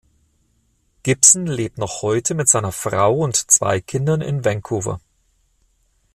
Gibson lebt noch heute mit seiner Frau und zwei Kindern in Vancouver.